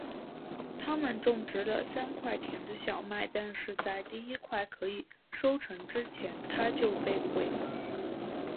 他们种植了三块田的小麦但是在第一块可以收成之前它就被毁了。